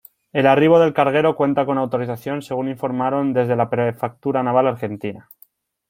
El arribo del carguero cuenta con autorización según informaron desde la Prefectura Naval Argentina.